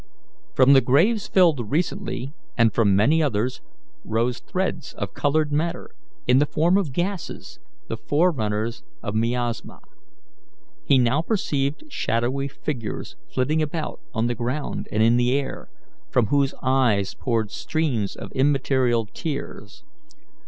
From the graves filled recently, and from many others, rose threads of coloured matter, in the form of gases, the forerunners of miasma. He now perceived shadowy figures flitting about on the ground and in the air, from whose eyes poured streams of immaterial tears.